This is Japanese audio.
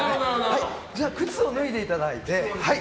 じゃあ靴を脱いでいただいて。